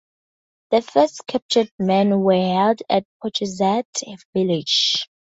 The captured men were held at Pawtuxet Village.